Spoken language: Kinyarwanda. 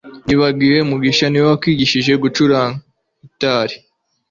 nibagiwe mugisha niwe wakwigishije gucuranga gitari